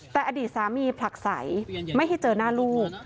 แต่อดีตสามีผลักใสไม่ให้เจอหน้าลูก